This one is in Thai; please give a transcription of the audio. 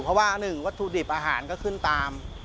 เพราะว่า๑วัตถุดิบอาหารก็ขึ้นตาม